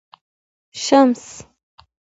شمس